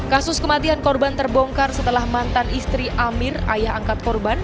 kasus kematian korban terbongkar setelah mantan istri amir ayah angkat korban